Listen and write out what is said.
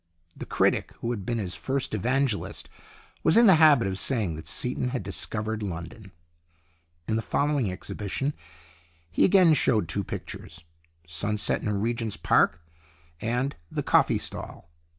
The critic who had been his first evangelist was in the habit of saying that Seaton had discovered London. In the following exhi bition he again showed two pictures " Sunset in Regent's Park " and " The Coffee Stall."